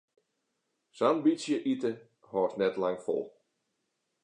Sa'n bytsje ite hâldst net lang fol.